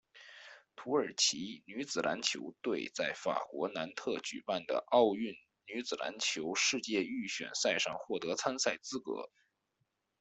土耳其女子篮球队在法国南特举办的奥运女子篮球世界预选赛上获得参赛资格。